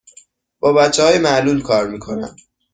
با بچه های معلول کار می کنم.